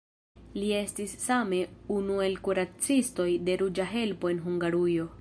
Li estis same unu el kuracistoj de Ruĝa Helpo en Hungarujo.